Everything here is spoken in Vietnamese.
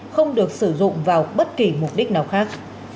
không được sử dụng vào bất kỳ mục đích nào khác